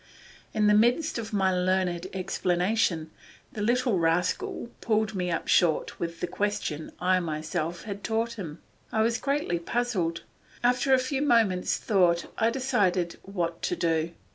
In the midst of my learned explanation the little rascal pulled me up short with the question I myself had taught him. I was greatly puzzled. After a few moments' thought I decided what to do.